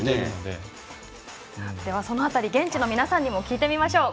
その辺り、現地の皆さんに聞いてみましょう。